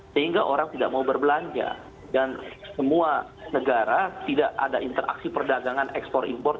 sehingga orang tidak mau berbelanja dan semua negara tidak ada interaksi perdagangan ekspor impor